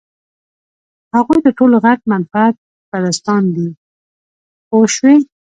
هغوی تر ټولو غټ منفعت پرستان دي پوه شوې!.